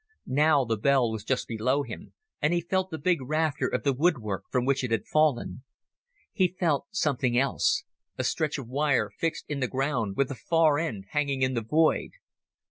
Now the bell was just below him, and he felt the big rafter of the woodwork from which it had fallen. He felt something else—a stretch of wire fixed in the ground with the far end hanging in the void.